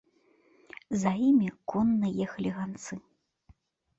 За імі конна ехалі ганцы.